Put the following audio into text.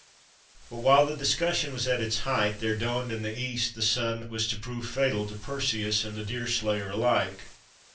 But while the discussion was at its height, there dawned in the East the sun that was to prove fatal to Perseus and the Deerslayer alike.